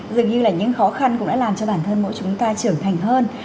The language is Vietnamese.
dường như là những khó khăn cũng đã làm cho bản thân mỗi chúng ta trưởng thành hơn